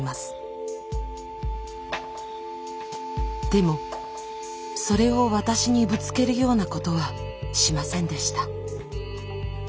でもそれを私にぶつけるようなことはしませんでした。